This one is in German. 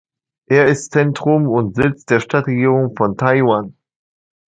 Er ist Zentrum und Sitz der Stadtregierung von Taiyuan.